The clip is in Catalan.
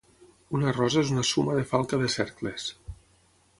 Una rosa és una suma de falca de cercles.